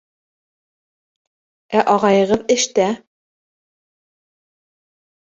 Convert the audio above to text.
Ә ағайығыҙ эштә.